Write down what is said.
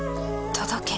届け。